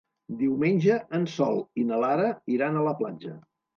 Diumenge en Sol i na Lara iran a la platja.